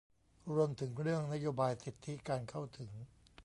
รวมถึงเรื่องนโยบายสิทธิการเข้าถึง